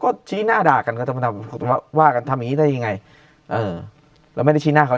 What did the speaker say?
ก็ชี้หน้าด่ากันว่ากันทำนี้ได้ยังไงแล้วไม่ได้ชี้หน้าเขา